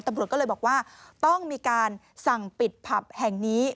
ตำรวจก็เลยบอกว่าต้องมีการสั่งปิดผับแห่งนี้